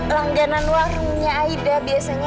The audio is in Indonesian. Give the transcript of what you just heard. langganan warungnya aida biasanya